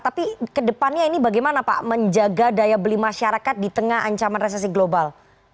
tapi kedepannya ini bagaimana pak menjaga daya beli masyarakat di tengah ancaman resesi global